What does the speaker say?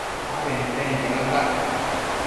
adenpenquio natac